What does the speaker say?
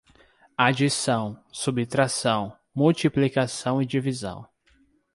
Adição, subtração, multiplicação e divisão